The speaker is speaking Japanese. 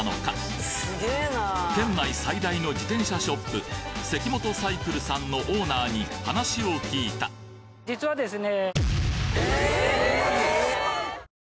案内されついていくと県内最大の自転車ショップセキモトサイクルさんのオーナーに話を聞いた実はですね。